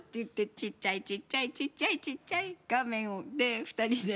小っちゃい、小っちゃい小っちゃい、小っちゃい画面で２人で。